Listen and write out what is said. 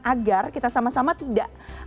agar kita sama sama tidak